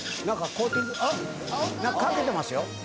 何かコーティングかけてますよ。